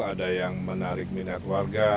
ada yang menarik minat warga